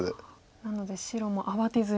なので白も慌てずに。